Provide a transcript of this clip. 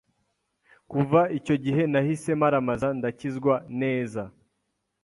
kuva icyo gihe nahise maramaza ndakizwa neza,